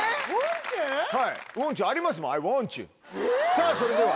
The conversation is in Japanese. さぁそれでは。